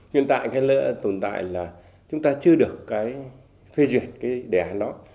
nhưng tại lỡ tồn tại là chúng ta chưa được phê duyệt đề án đó